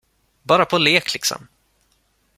Bara på lek liksom.